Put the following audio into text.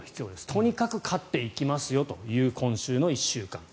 とにかく勝っていきますよというのが今週の１週間。